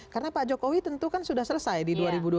karena pak jokowi tentu kan sudah selesai di dua ribu dua puluh empat